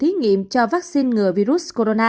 phòng thí nghiệm cho vắc xin ngừa virus corona